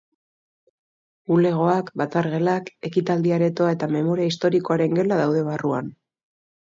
Bulegoak, batzar-gelak, ekitaldi-aretoa eta Memoria Historikoaren gela daude barruan.